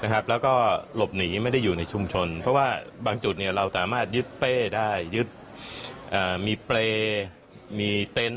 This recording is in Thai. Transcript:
หลบหนีไม่ได้อยู่ในชุมชนเพราะว่าบางจุดเราสามารถยึดเป้มีเปรตมีเตนท์